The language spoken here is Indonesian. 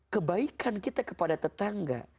kebaikan kita kepada tetangga